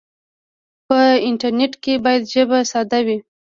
په انټرنیټ کې باید ژبه ساده وي.